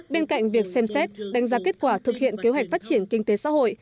bên cạnh việc xem xét đánh giá kết quả thực hiện kế hoạch phát triển kinh tế xã hội